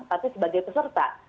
tapi sebagai peserta